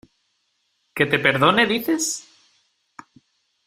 ¿ que te perdone dices?